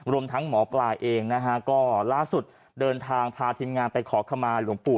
รวมทั้งหมอปลาเองนะฮะก็ล่าสุดเดินทางพาทีมงานไปขอขมาหลวงปู่